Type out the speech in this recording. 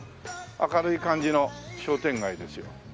明るい感じの商店街ですよ。